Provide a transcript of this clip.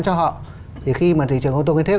cho họ thì khi mà thị trường ô tô nguyên chiếc